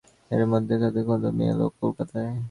এরই মধ্যে থেকে কুমুদিনী এল কলকাতায়।